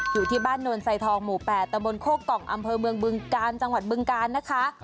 อยู่ที่บ้านโนนไซทองหมู่๘ตะบนโคกกล่องอำเภอเมืองบึงกาลจังหวัดบึงกาลนะคะ